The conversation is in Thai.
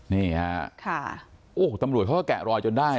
นี่ฮะค่ะโอ๊ยฮ่ะตำลุยเขาก็แกะรอยจนได้นะ